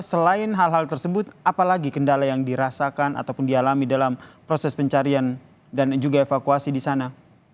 selain hal hal tersebut apalagi kendala yang dirasakan ataupun dialami dalam proses pencarian dan juga evakuasi di sana